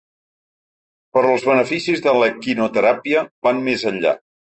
Però els beneficis de l’equinoteràpia van més enllà.